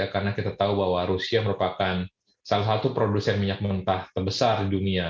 karena kita tahu bahwa rusia merupakan salah satu produsen minyak mentah terbesar di dunia